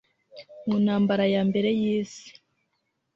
mu ntambara ya mbere y'isi